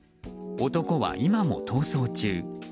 男は今も逃走中。